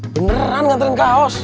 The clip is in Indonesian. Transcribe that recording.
beneran nganterin kaos